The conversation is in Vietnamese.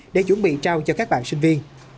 để chuẩn bị trao cho các bạn sinh viên